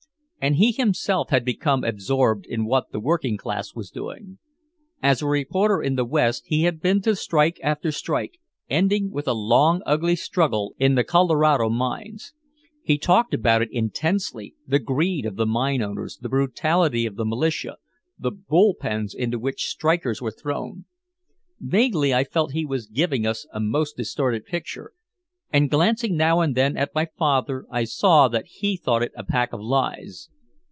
And he himself had become absorbed in what the working class was doing. As a reporter in the West he had been to strike after strike, ending with a long ugly struggle in the Colorado mines. He talked about it intensely, the greed of the mine owners, the brutality of the militia, the "bull pens" into which strikers were thrown. Vaguely I felt he was giving us a most distorted picture, and glancing now and then at my father I saw that he thought it a pack of lies.